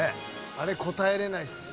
あれ答えれないですよ。